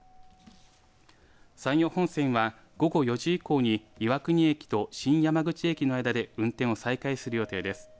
山陽本線は午後４時以降に岩国駅と新山口駅の間で運転を再開する予定です。